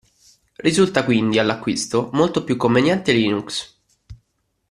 Risulta quindi, all'acquisto, molto più conveniente Linux.